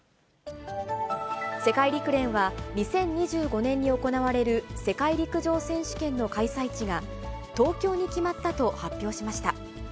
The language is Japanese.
世界陸連は、２０２５年に行われる世界陸上選手権の開催地が、東京に決まったと発表しました。